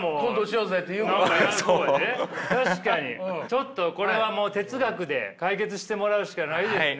ちょっとこれはもう哲学で解決してもらうしかないですね。